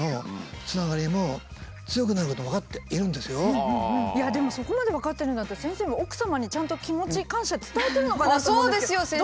高齢者にかかわらずでもそこまで分かってるんだったら先生も奥様にちゃんと気持ち感謝伝えてるのかなと思うんですけど。